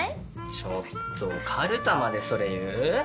ちょっとかるたまでそれ言う？